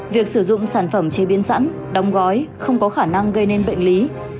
việc sử dụng sản phẩm chế biến sẵn đóng gói không có khả năng gây nên bệnh lý